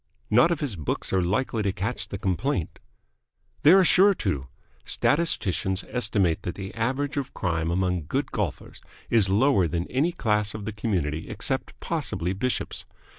"Not if his books are likely to catch the complaint." "They are sure to. Statisticians estimate that the average of crime among good golfers is lower than in any class of the community except possibly bishops.